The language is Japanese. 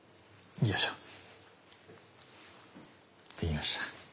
できました。